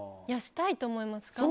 したいと思います。